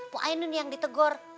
bu ainun yang ditegor